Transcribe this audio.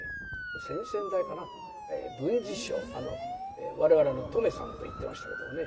先々代かな文治師匠我々留さんと言ってましたけどもね。